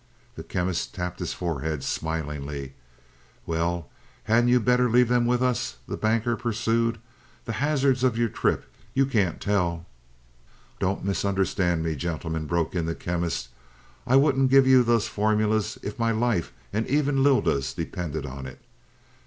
The Chemist tapped his forehead smilingly. "Well, hadn't you better leave them with us?" the Banker pursued. "The hazards of your trip you can't tell " "Don't misunderstand me, gentlemen," broke in the Chemist. "I wouldn't give you those formulas if my life and even Lylda's depended on it.